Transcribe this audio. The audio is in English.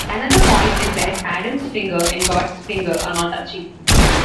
Another point is that Adam's finger and God's finger are not touching.